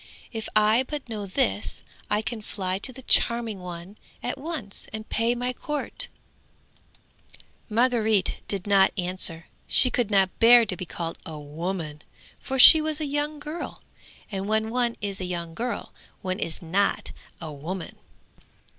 If I but know this, I can fly to the charming one at once, and pay my court!" Margaret did not answer. She could not bear to be called a woman, for she was a young girl, and when one is a young girl, one is not a woman.